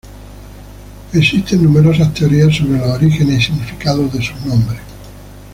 Existen numerosas teorías sobre los orígenes y significados de sus nombres.